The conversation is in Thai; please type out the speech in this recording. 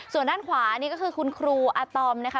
ส่วนด้านขวานี่ก็คือคุณครูอาตอมนะคะ